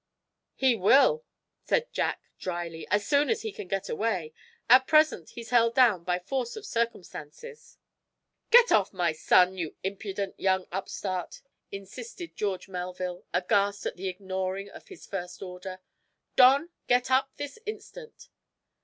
"He will," said Jack, dryly, "as soon as he can get away. At present he's held down by force of circumstances." "Get off my son, you impudent young upstart!" insisted George Melville, aghast at the ignoring of his first order. "Don, get up this instant."